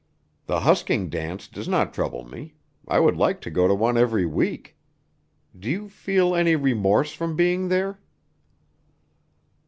The husking dance does not trouble me. I would like to go to one every week. Do you feel any remorse from being there?"